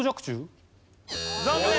残念。